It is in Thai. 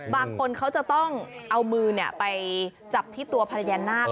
บางคนเขาจะต้องเอามือไปจับที่ตัวพญานาค